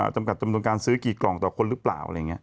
จำกัดจำนวนการซื้อกี่กล่องต่อคนหรือเปล่าอะไรอย่างนี้